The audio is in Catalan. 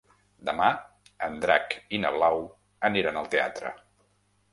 Demà en Drac i na Blau aniran al teatre.